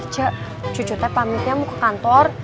cu cucunya pamitnya mau ke kantor